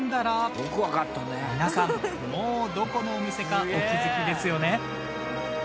皆さんもうどこのお店かお気づきですよね。